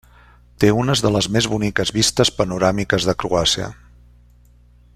Té unes de les més boniques vistes panoràmiques de Croàcia.